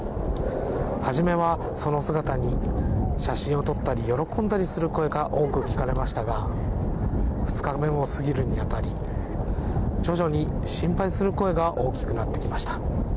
初めは、その姿に写真を撮ったり喜んだりする声が多く聞かれましたが２日目も過ぎるにあたり徐々に、心配する声が大きくなってきました。